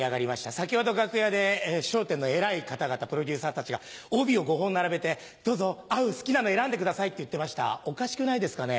先ほど楽屋で『笑点』の偉い方々プロデューサーたちが帯を５本並べて「どうぞ合う好きなの選んでください」って言ってましたおかしくないですかね？